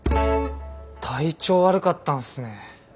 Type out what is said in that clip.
体調悪かったんすね。